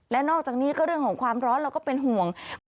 และนอกจากนี้ก็เรื่องของความร้อนเราก็เป็นห่วง